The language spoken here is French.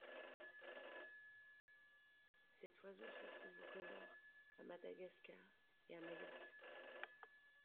Cet oiseau se trouve aux Comores, à Madagascar et à Mayotte.